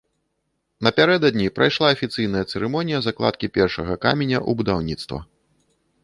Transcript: Напярэдадні прайшла афіцыйная цырымонія закладкі першага каменя ў будаўніцтва.